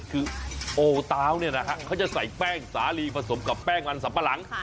คือโอตาวเนี่ยนะฮะเขาจะใส่แป้งสาลีผสมกับแป้งมันสัมปะหลัง